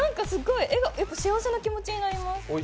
幸せな気持ちになります。